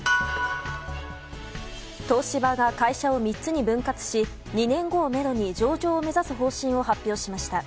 東芝が会社を３つに分割し２年後をめどに上場を目指す方針を発表しました。